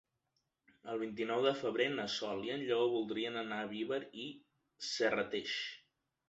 El vint-i-nou de febrer na Sol i en Lleó voldrien anar a Viver i Serrateix.